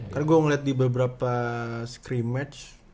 karena gue ngeliat di beberapa scrim match